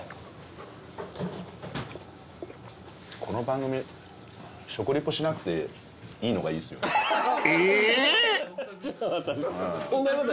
この番組食リポしなくていいのがいいですよね。